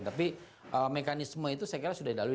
tapi mekanisme itu saya kira sudah dilalui